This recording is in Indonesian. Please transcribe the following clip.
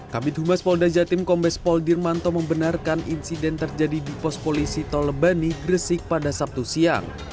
kabit humas polda jatim kombes pol dirmanto membenarkan insiden terjadi di pos polisi tol lebani gresik pada sabtu siang